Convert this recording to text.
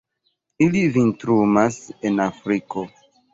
Ili vintrumas en Afriko.